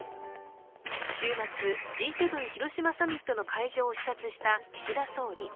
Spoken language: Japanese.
週末、Ｇ７広島サミットの会場を視察した岸田総理。